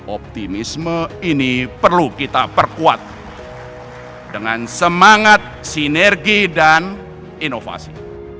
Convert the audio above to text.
optimisme ini perlu kita perkuat dengan semangat sinergi dan inovasi